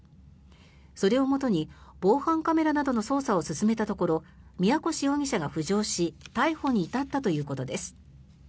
それをもとに防犯カメラなどの捜査を進めたところ宮腰容疑者が浮上し逮捕に至ったということです。